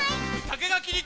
「竹がきに」。